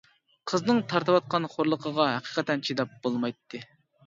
قىزنىڭ تارتىۋاتقان خورلۇقىغا ھەقىقەتەن چىداپ بولمايتتى.